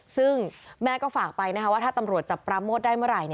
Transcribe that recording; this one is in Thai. ซึ่งแม่ก็ฝากไปว่าถ้าตำรวจจับปราโมทได้เมื่อไหร่